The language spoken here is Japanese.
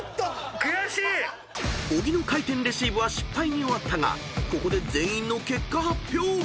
［小木の回転レシーブは失敗に終わったがここで全員の結果発表］